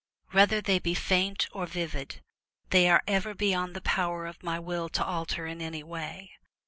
Whether they be faint or vivid, they are ever beyond the power of my will to alter in any way.